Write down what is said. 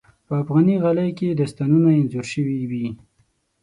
په افغاني غالۍ کې داستانونه انځور شوي وي.